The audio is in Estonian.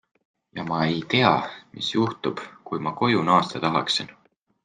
Ja ma ei tea, mis juhtub, kui ma koju naasta tahaksin.